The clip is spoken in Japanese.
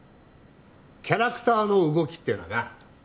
キャラクターの動きっていうのはな